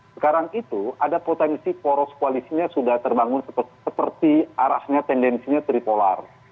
sekarang itu ada potensi poros koalisinya sudah terbangun seperti arahnya tendensinya tripolar